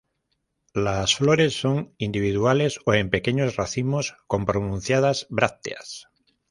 Las flores son individuales o en pequeños racimos con pronunciadas brácteas.